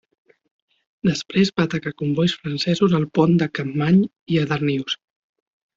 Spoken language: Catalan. Després va atacar combois francesos al pont de Campmany i a Darnius.